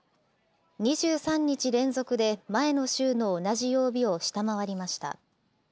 ２３日連続で前の週の同じ曜日を下回りました。